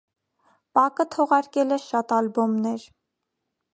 Պակը թողարկել է շատ ալբոմներ։